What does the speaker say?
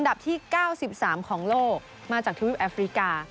ที่๙๓ของโลกมาจากทวิปแอฟริกา